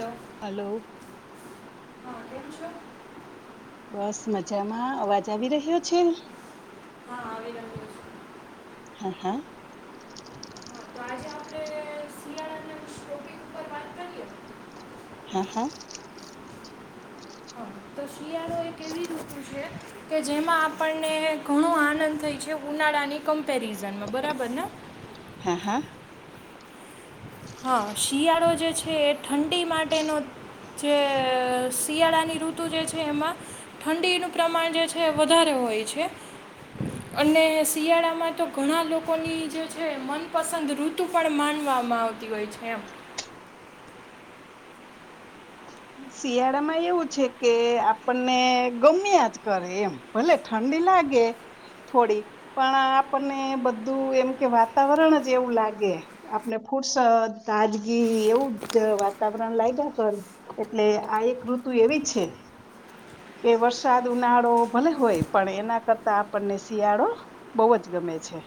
Hello hello હા કેમ છો બસ મજામાં અવાજ આવી રહ્યો છે હા આવી રહ્યો છે હા હા હા તો આજે આપણે શિયાળાની શોપિંગ ઉપર વાત કરીએ હા હા તો શિયાળો એક એવી ઋતુ છે કે જેમાં આપણને ઘણો આનંદ થઇ છે ઉનાળાની કમ્પેરિઝનમાં બરાબર ને હા હા હા શિયાળો જે છે એ ઠંડી માટેનો જે શિયાળાની ઋતુ જે છે એમાં ઠંડીનું પ્રમાણ જે છે વધારે હોય છે અને શિયાળામાં તો ઘણા લોકોની જે છે મનપસંદ ઋતુ પણ માનવામાં આવત તી હોય છે એ શિયાળામાં એવું છે કે આપણને ગમ્યા જ કરે એમ ભલે ઠંડી લાગે થોડી પણ આપણને બધું એમ કે વાતાવરણ જ એવું લાગે આપને ફુરસદ તાજગી એવું જ વાતાવરણ લાગ્યા કર એટલે આ એક ઋતુ એવી છે કે વરસાદ ઉનાળો ભલે હોય પણ એના કરતા આપણને શિયાળો બહુ જ ગમે છે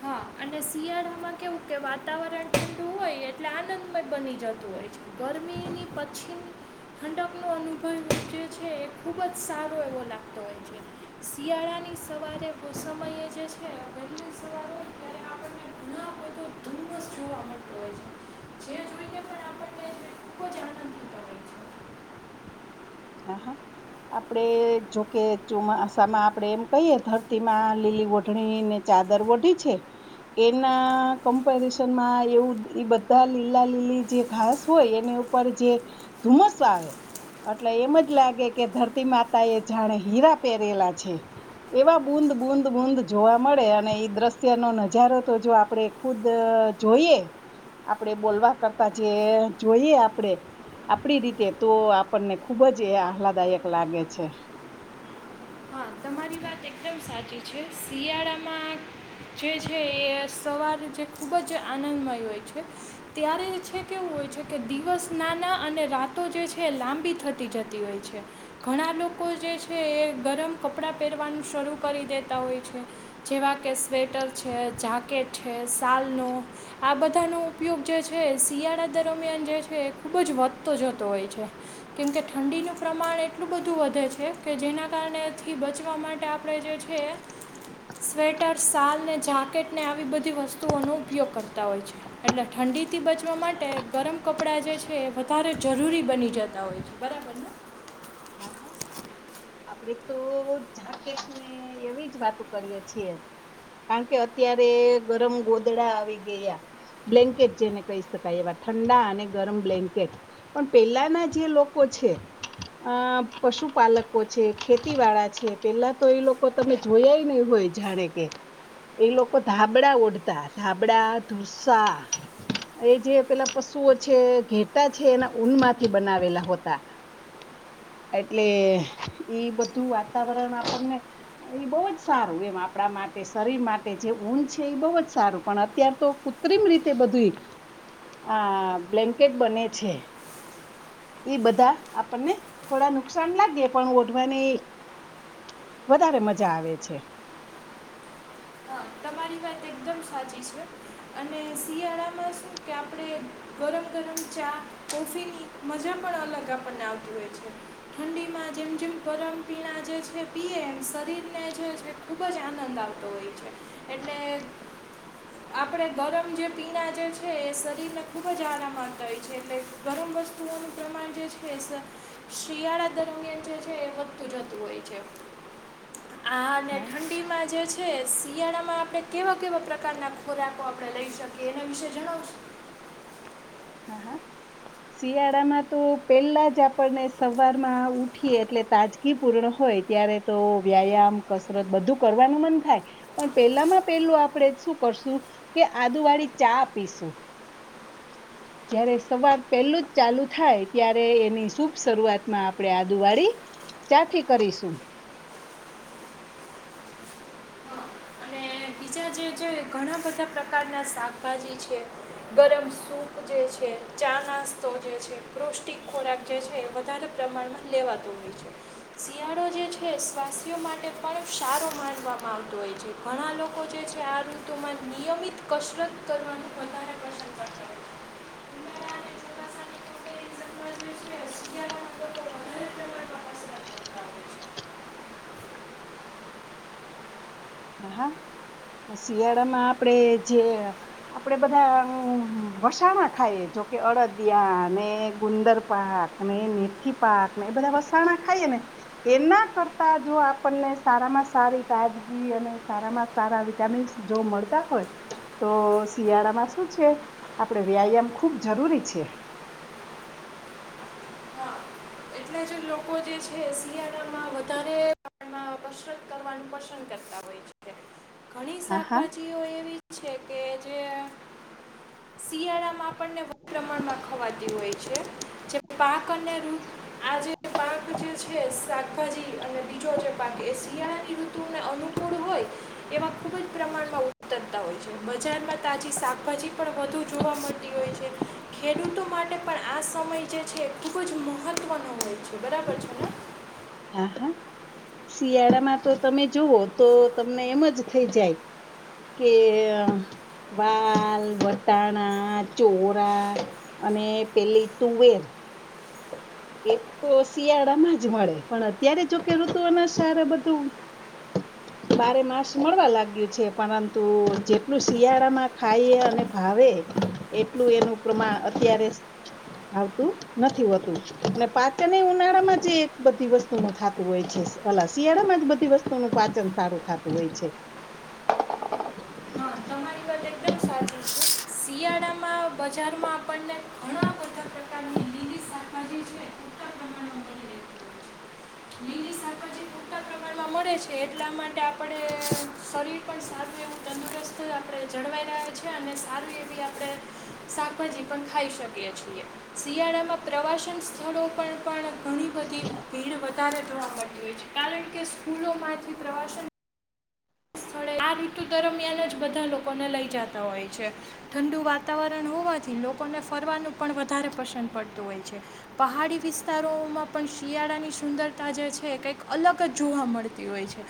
હા અને શિયાળામાં કેવું કે વાતાવરણ ઠંડુ હોય એટલે આનંદમય બની જતું હોય છે ગરમીની પછીની ઠંડકનો અનુભવ જે છે એ ખૂબ જ સારો એવો લાગતો હોય છે શિયાળાની સવારે સમયે જે છે વહેલી સવારે ત્યારે આપણને ગણો તો ધુમ્મસ જોવા મળતો હોય છે જે જોઈને પણ આપણને ખૂબ જ આનંદ થતો હોય છે હા હા આપડે જોકે ચોમાસામાં આપડે એમ કહીએે ધરતીમાં લીલી ઓઢણી ને ચાદર વઢી છે એના કમ્પેરિઝનમાં એવું એ બધા લીલા લીલી જે ઘાસ હોય એની ઉપર જે ધુમ્મસ આવે એટલે એમ જ લાગે કે ધરતી માતા એ જાણે હીરા પહેરેલા છે એવા બૂદ બૂદ બુંદ જોવા મળે અને એ દ્રશ્ય નો નજારો તો જો આપણે ખુદ જોઈએ આપડે બોલવા કરતા જે જોઈએ આપણેે આપડી રીતે તો આપણને ખુ ખુબ જ એ આહલાદાયક લાગે છે હા તમારી વાત એકદમ સાચી છે શિયાળામાં જે છે એ સવાર જે ખૂબ જ આનંદમય હોય છે ત્યારે છે કેવું હોય છે કે દિવસ નાના અને રાતો જે છે એ લાંબી થતી જતી હોય છે ઘણા લોકો જે છે એ ગરમ કપડાં પહેરવાનું શરૂ કરી દેતા હોય છે જેવા કે સ્વેટર છે જાકેટ છે શાલનો આ બધાનો ઉપયોગ જે છે શિયાળા દરમિયાન જે છે એ ખૂબ જ વધતો જતો હોય છે કેમકે ઠંડીનું પ્રમાણ એટલું બધું વધે છે કે જેના કારણે થી બચવા માટે આપણે જે છે સ્વેટર શાલ ને જાકેટને આવી બધી વસ્તુઓનો ઉપયોગ કરતા હોય છે એટલે ઠંડીથી બચવા માટે ગરમ કપડાં જે છે એ વધારે જરૂરી બની જતા હોય છે બરાબરને હા હા આપડે તો જાકેટને એવી જ વાતો કરીયે છીએ કારણ કે અત્યારે ગરમ ગોદડા આવી ગયા બ્લેન્કેટ જેને કહી શકાય એવા ઠંડા અને ગરમ બ્લેન્કેટ પણ પેલાના જે લોકો છે અ પશુપાલકો છે ખેતી વાળા છે પેલા તો એ લોકો તમે જોયાય નહી હોય જાણે કે એ લોકો ધાબડા ઓઢતા ધાબડા ધુસા એ જે પેલા પશુઓ છે ઘેટા છે એના ઊનમાંથી બનાવેલા હોતા એટલે ઈ બધું વાતાવરણ આપણને એ બહુ જ સારું એમ આપણા માટે શરીર માટે જે ઊંધ છે એ બહુ જ સારું પણ અત્યાર તો કૃત્રિમ રીતે બધું આ બ્લેન્કેટ બને છે એ બધા આપણને થોડા નુકસાન લાગે પણ ઓઢવાની વધારે મજા આવે છે હા તમારી વાત એકદમ સાચી છે અને શિયાળામાં શું કે આપણે ગરમ ગરમ ચા કોફીની મજા પણ અલગ આપણને આવતી હોય છે ઠંડીમાં જેમ જેમ ગરમ પીણા જે છે પીએ એમ શરીરને જે ખૂબ જ આનંદ આવતો હોય છે એટલે આપણે ગરમ જે પીણા જે છે એ શરીરને ખુબ જ આરામ આવતા હોય છે એટલે ગરમ વસ્તુઓનું પ્રમાણ જે છે શિયાળા દરમિયાન જે છે એ વધતું જતું હોય છે આ અને હા ઠંડીમાં જે ખેેશ શિયાળામાં આપણે કેવા કેવા પ્રકારના ખોરાકો આપણે લઈ શકીએ એના વિશે જણાવશું હા હા શિયાળામાં તો પેલા જ આપણને સવારમાં ઉઠીએ એટલે તાજગી પૂર્ણ હોય ત્યારે તો વ્યાયામ કસરત બધું કરવાનું મન થાય પણ પેલામાં પેલું આપણે શું કરશું કે આદુ વાળી ચા પીશું જયારે સવાર પહેલું જ ચાલુ થાય ત્યારે એની શુભ શરૂઆતમાં આપણે આદુવાળી ચા થી કરીશું અને બીજા જે છે ઘણા બધા પ્રકારના શાકભાજી છે ગરમ સૂપ જે છે ચા નાસ્તો જે છે પૌષ્ટિક ખોરાક જે છે એ વધારે પ્રમાણમાં લેવાતો હોય છે શિયાળો જે છે સ્વાસ્થ્ય માટે પણ સારો માનવામાં આવતો હોય છે ઘણા લોકો કો જે છે આ ઋતુમાં નિયમિત કસરત કરવાનું વધારે પસંદ કરતા હોય છે ઉનાળા અને ચોમાસા ની કસરત શિયાળા માં લોકો વધારે પ્રમાણમાં કસરત કરતા હોય છે હા શિયાળામાં આપણેે જે આપડે બધા વસાણા ખાઈએ જોકે અડદિયા ને ગુંદર પાક ને મેથી પાક ને એ બધા વસાણા ખાઈએ ને એના કરતા જો આપણને સારામાં સારી તાજગી અને સારામાં સારા વિટામિન્સ જો મળતા હોય તો શિયાળામાં શું છે આપણેે વ્યાયામ ખૂબ જરૂરી છે છે. હા, એટલે જ લોકો જે છે શિયાળામાં વધારે [inaudible] કસરત કરવાનું પસંદ કરતા હોય છે ઘણી હા હા શાકભાજી ઓ એવી કે જે શિયાળામાં આપણને વધુ પ્રમાણમાં ખવાતી હોય છે જે પાક અને આ જે પાક જે છે શાકભાજી અને બીજો જે પાક એ શિયાળાની ઋતુને અનુકૂળ હોય એવા ખુબ જ પ્રમાણમાં ઉતરતા હોય છે બજારમાં તાજી શાકભાજી પણ વધુ જોવા મળતી હોય છે ખેડૂતો માટે પણ આ સમય જે છે ખુબ જ મહ મહત્ત્વનું હોય છે બરાબર છેને હા હા શિયાળામાં તો તમે જુઓ તો તમને એમ જ થઈ જાય કે વાલ વટાણા ચોરા અને પેલી તુવેર એ તો શિયાળામાં જ મળે પણ અત્યારે જોકે ઋતુ અના સાર બધું બારે માસ મળવા લાગ્યું છે પરંતુ જેટલું શિયાળામાં ખાઈ અને ભાવે એટલું એનું પ્રમાણ અત્યારે ભાવતું નથી હોતું અને પાચન એ ઉનાળા માં જ એક બધી વસ્તુ નું થતું હોય છે અલા શિયાળામાં જ બધી વસ્તુનું પાચન સારું થતું હોય છે હા તમારી વાત એકદમ સાચી છે શિયાળામાં બજારમાં આપણને ઘણા બધા પ્રકારની લીલી શાકભાજી છે પૂરતા પ્રમાણમાં મળી રહે છે લીલી શાકભાજી પૂરતા પ્રમાણમાં મળે છે એટલા માટે આપણે શરીર પણ સારું એવું તંદુરસ્ત આપણે જળવાઈ રહ્યા છીએ અને સારી એવી આપણે શાકભાજી પણ ખાઈ શકીએ છીએ શિયાળામાં પ્રવાસન સ્થળો પર પણ ઘણી બધી ભીડ વધારે જોવા મળતી હોય છે કારણ કે સ્કૂલોમાંથી પ્રવાસન સ્થળે આ ઋતુ દરમિયાન જ બધા લોકોને લઈ જતા હોય છે ઠંડુ વાતાવરણ હોવાથી લોકોને ફરવાનું પણ વધારે પસંદ પડતું હોય છે પહાડી વિસ્તારોમાં પણ શિયાળાની સુંદરતા જે છે એ કંઈક અલગ જ જોવા મળતી હોય છે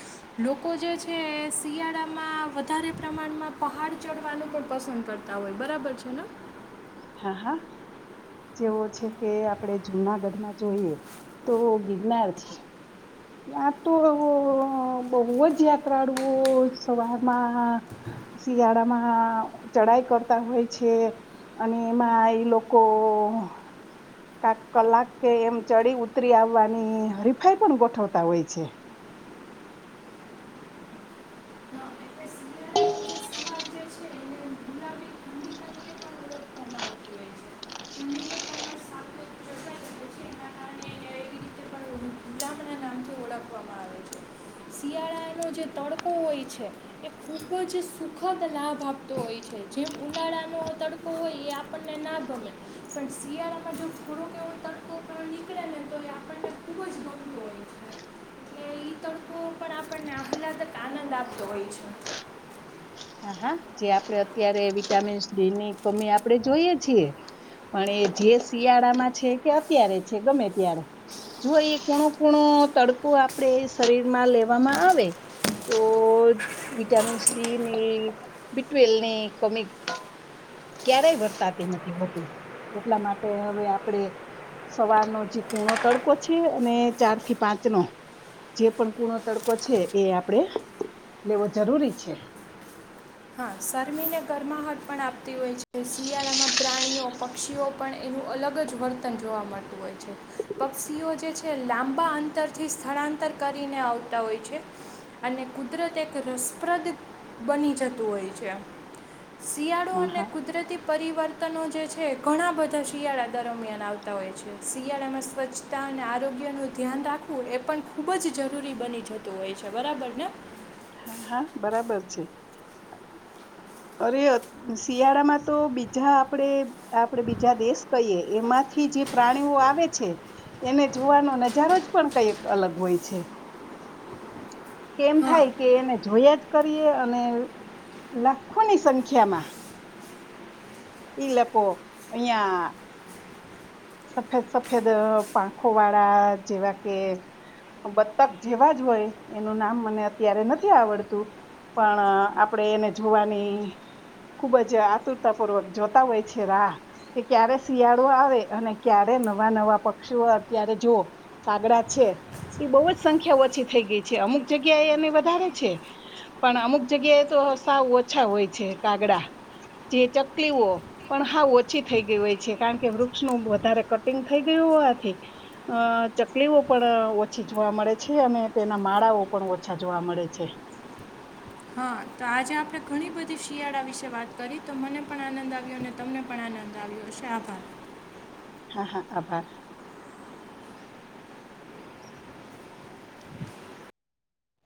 લોકો જે છે એ શિયાળામાં વધારે પ્રમાણમાં પહાડ ચઢવાનું પણ પસંદ કરતા હોય બરાબર છે ને. હા હા જેવો છે કે આપણે જુનાગઢમાં જોઈએ તો ગિરનાર છે ત્યાં તો બહુ જ યાત્રાળુઓ સવારમાં શિયાળામાં ચઢાઈ કરતા હોય છે અને એમાં એ લોકો કાક કલાક કે એમ ચડી ઉતરી આવવાની હરીફાઈ પણ ગોઠવતા હોય છે. એટલે શિયાળાનું જે સવાર જે છે એને ગુલાબી ઠંડી તરીકે પણ ઓળખવામાં આવતી હોય છે ઠંડીનો પ્રમાણ સાપેક્ષ જતા રહે છે એના કારણે એને એવી રીતે પણ ગુલાબના નામથી ઓળખવામાં આવે છે શિયાળાનો જે તડકો હોય છે એ ખૂબ જ સુખદ લાભ આપતો હોય છે જેમ ઉનાળાનો તડકો હોય એ આપણને ના ગમે પણ શિયાળામાં જો થોડોક એવો તડકો પણ નીકળે ને તો એ આપણને ખૂબ જ ગમતો હોય છે કે એ તડકો પણ આપણને અહલાદક આનંદ આપતો હોય છે. હા જે આપણે અત્યારે વિટામિન્સ ડી ની કમી આપણે જોઈએ છીએ પણ એ જે શિયાળામાં છે કે અત્યારે છે ગમે ત્યારે જો એ ખૂણું કૂણો તડકો આપણે શરીરમાં લેવામાં આવે તો વિટામિન્સ ડી ની બીટવેલ ની કમી ક્યારેય વર્તાતી નથી હોતી એટલા માટે હવે આપણે સવારનો જે કુણો તડકો છે અને ચાર થી પાંચ નો જે પણ કૂણો તડકો છે એ આપણેે લેવો જરૂરી છે. હા શરમીને ગરમાહટ પણ આપતી હોય છે શિયાળામાં પ્રાણીઓ પક્ષીઓ પણ એનું અલગ જ વર્તન જોવા મળતું હોય છે પક્ષીઓ જે છે લાંબા અંતરથી સ્થળાંતર કરીને આવતા હોય છે અને કુદરત એક રસપ્રદ બની જતી જતું હોય છે શિયાળો હા અને હા કુદરતી પરિવર્તનો જે છે ઘણા બધા શિયાળા દરમિયાન આવતા હોય છે શિયાળામાં સ્વચ્છતા અને આરોગ્યનું ધ્યાન રાખવું એ પણ ખૂબ જ જરૂરી બની જતું હોય છે બરાબર ને હા હા બરાબર છે અરે અ શિયાળામાં તો બીજા આપણે આપણે બીજા દેશ કહીએ એમાંથી જે પ્રાણીઓ આવે છે એને જોવાનો નજારો જ પણ કઈક અલગ હોય છે કેમ હા થાય કે એને જોયા જ કરીએ અને લાખોની સંખ્યા માં ઈ લોકો અહિયાં સફેદ સફેદ પાંખો વાળા જેવા કે બત્તક જેવા જ હોય એનું નામ મને અત્યારે નથી આવડતું પણ આપણેે એને જોવાની ખુબ જ આતુરતા પૂર્વક જોતા હોય છે રાહ કે ક્યારે શિયાળો આવે અને ક્યારે નવા નવા પક્ષીઓ અત્યારે જો કાગડા છે એ બહુ જ સંખ્યા ઓછી થઈ ગઈ છે અમુક જગ્યા એ એને વધારે છે પણ અમુક જગ્યાએ તો સાવ ઓછા હોય છે કાગડા જે ચકલીઓ પણ સાાવ ઓછી થઈ ગઈ હોય છે કારણ કે વૃ વૃક્ષ નું વધારે કટિંગ થઈ ગયું હોવાથી અ ચકલીઓ પણ ઓછી જોવા મળે છે અને તેના માળાઓ પણ ઓછા જોવા મળે છે. હા તો આજે આપણે ઘણી બધી શિયાળા વિશે વાત કરી તો મને પણ આનંદ આવ્યો અને તમને પણ આનંદ. તાવ છે આભાર હા હા આભાર.